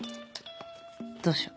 どうしよう。